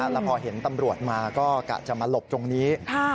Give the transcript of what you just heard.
แล้วพอเห็นตำรวจมาก็กะจะมาหลบตรงนี้